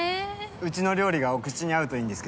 うちの料理がお口に合うといいんですけど。